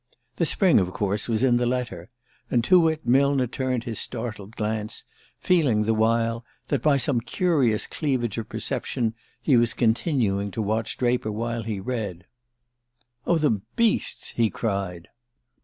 The spring, of course, was in the letter; and to it Millner turned his startled glance, feeling the while that, by some curious cleavage of perception, he was continuing to watch Draper while he read. "Oh, the beasts!" he cried.